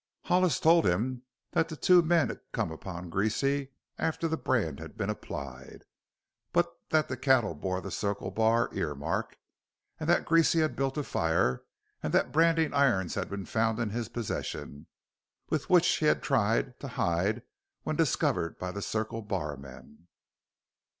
Hollis told him that the two men had come upon Greasy after the brand had been applied, but that the cattle bore the Circle Bar ear mark, and that Greasy had built a fire and that branding irons had been found in his possession which which he had tried to hide when discovered by the Circle Bar men.